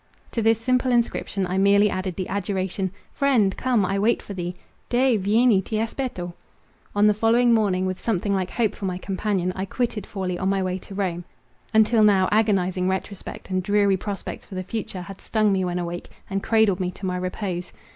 To this simple inscription, I merely added the adjuration, "Friend, come! I wait for thee!—Deh, vieni! ti aspetto!" On the following morning, with something like hope for my companion, I quitted Forli on my way to Rome. Until now, agonizing retrospect, and dreary prospects for the future, had stung me when awake, and cradled me to my repose.